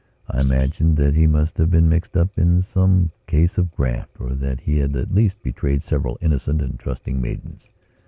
I imagined that he must have been mixed up in some case of graft or that he had at least betrayed several innocent and trusting maidens.